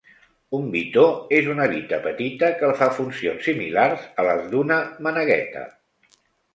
Un bitó és una bita petita que fa funcions similars a les d'una manegueta.